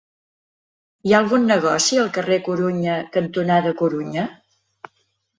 Hi ha algun negoci al carrer Corunya cantonada Corunya?